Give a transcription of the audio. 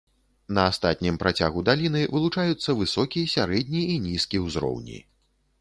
На астатнім працягу даліны вылучаюцца высокі, сярэдні і нізкі ўзроўні.